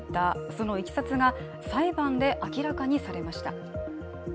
そのいきさつが、裁判で明らかにされました。